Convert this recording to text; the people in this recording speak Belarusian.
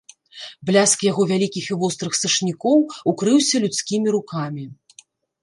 Бляск яго вялікіх і вострых сашнікоў укрыўся людскімі рукамі.